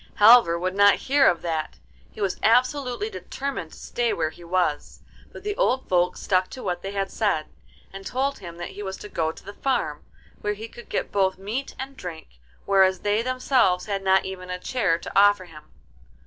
Halvor would not hear of that, he was absolutely determined to stay where he was; but the old folks stuck to what they had said, and told him that he was to go to the farm, where he could get both meat and drink, whereas they themselves had not even a chair to offer him.